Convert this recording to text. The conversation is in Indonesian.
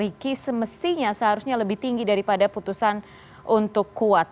karena untuk ricky semestinya seharusnya lebih tinggi daripada putusan untuk kuat